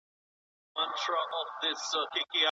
څه وخت ملي سوداګر د کور توکي هیواد ته راوړي؟